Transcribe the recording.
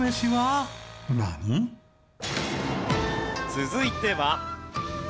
続いては。